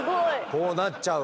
こうなっちゃう？